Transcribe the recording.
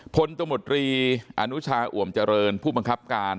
ตมตรีอนุชาอ่วมเจริญผู้บังคับการ